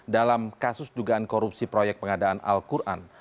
dalam kasus dugaan korupsi proyek pengadaan al quran